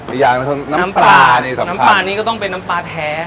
อีกอย่างคือน้ำปลานี่สำคัญน้ำปลานี่ก็ต้องเป็นน้ำปลาแท้